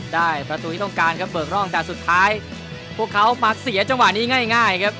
ได้ประตูที่ต้องการครับเบิกร่องแต่สุดท้ายพวกเขามาเสียจังหวะนี้ง่ายครับ